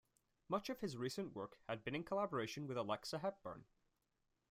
Much of his recent work has been in collaboration with Alexa Hepburn.